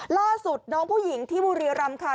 ล่าสุดน้องผู้หญิงที่บุรีรำค่ะ